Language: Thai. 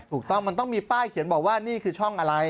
ถูกต้องมันต้องมีป้ายเขียนบอกว่านี่คือช่องอะไร